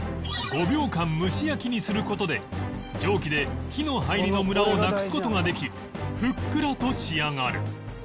５秒間蒸し焼きにする事で蒸気で火の入りのムラをなくす事ができふっくらと仕上がる